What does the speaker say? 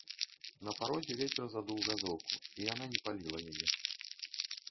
На парозе вецер задуў газоўку, і яна не паліла яе.